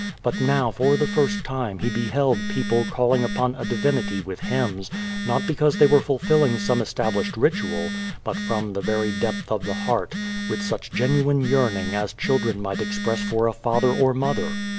But now for the first time he beheld people calling upon a divinity with hymns, not because they were fulfilling some established ritu al, but from the very depth of the heart, with such genuine yearning as children might express for a father or mother.